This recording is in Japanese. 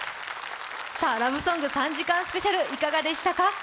ラブソング３時間スペシャル、いかがでしたか？